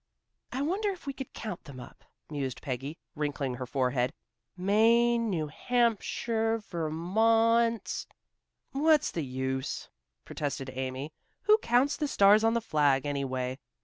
"I wonder if we could count them up," mused Peggy, wrinkling her forehead. "Maine, New Hampshire, Vermont " "What's the use?" protested Amy. "Who counts the stars on the flag, anyway?